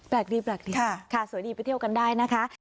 ดีแปลกดีค่ะสวยดีไปเที่ยวกันได้นะคะ